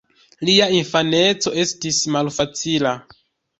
Lia infaneco estis malfacila.